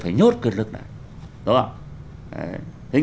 phải nhốt quyền lực này đúng không